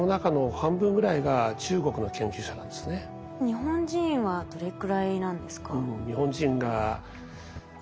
日本人はどれくらいなんですか？